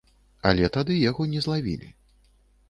Але тады яго не злавілі.